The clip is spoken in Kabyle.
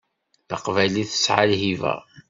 Taqbaylit tesɛa lhiba.